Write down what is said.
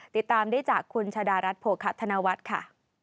ติดตามได้จากคุณชะดารัฐโภคะธนวัฒน์ค่ะ